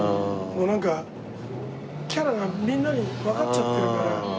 もうなんかキャラがみんなにわかっちゃってるから。